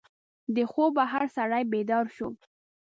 د خوبه هر سړی بیدار شو.